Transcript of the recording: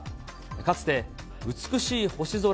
かつて美しい星空